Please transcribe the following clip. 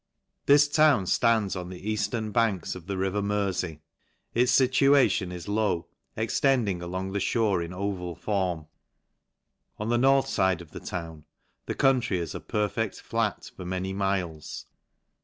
This town ftands on the eaftern banks of the ri ver Merfey: Its iituation is low, extending along the ihore in an ova! form. On the north fide of the town, the country is a perfect flat for many miles.